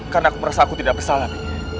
karena aku merasa aku tidak bersalah bi